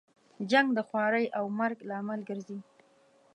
جنګ د خوارۍ او مرګ لامل ګرځي.